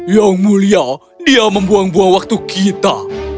yang mulia dia membuang buang waktu kita